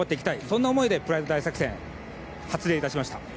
そんな思いでプライド大作戦を発令いたしました。